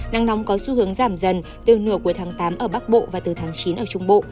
nắng nóng có xu hướng giảm dần từ nửa cuối tháng tám ở bắc bộ và từ tháng chín ở trung bộ